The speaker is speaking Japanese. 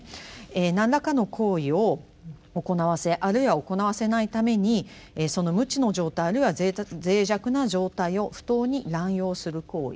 何らかの行為を行わせあるいは行わせないためにその無知の状態あるいは脆弱な状態を不当に乱用する行為。